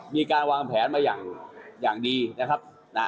มีการวางแผนมาอย่างดีนะครับนะ